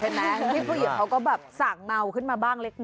เห็นไหมพี่ผู้หญิงเขาก็สั่งเมาขึ้นมาบ้างเล็กน้อย